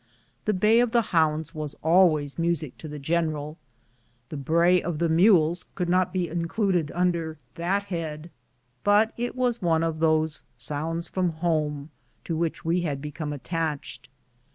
The bay of the hounds was always music to the general. The bray of the mules could not be included under that head but it was one of thos6 " sounds from home " to which we had become at tached.